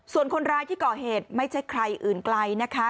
ส่วนคนร้ายที่ก่อเหตุไม่ใช่ใครอื่นไกลนะคะ